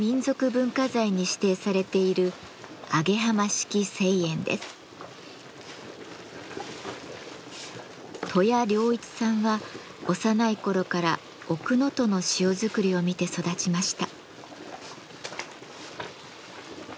文化財に指定されている登谷良一さんは幼い頃から奥能登の塩作りを見て育ちました。